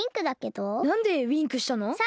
なんでウインクしたの？